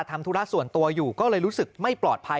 ทำธุระส่วนตัวอยู่ก็เลยรู้สึกไม่ปลอดภัย